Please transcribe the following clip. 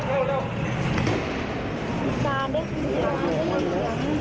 เพราะตอนนี้ก็ไม่มีเวลาให้เข้าไปที่นี่